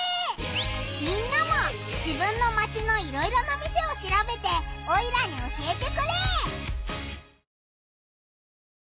みんなも自分のマチのいろいろな店をしらべてオイラに教えてくれ！